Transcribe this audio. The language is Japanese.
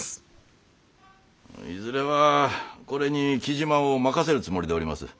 いずれはこれに雉真を任せるつもりでおります。